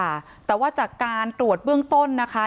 ค่ะแต่ว่าจากการตรวจเบื้องต้นนะคะ